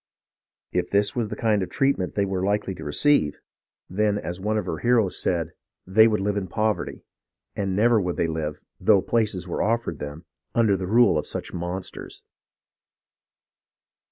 If this was the kind of treatment they were likely to receive, SUFFERINGS OF THE COMMON PEOPLE 27 1 then, as one of her heroes said, "they would Hve in poverty ; and never would they live, though palaces were offered them, under the rule of such monsters."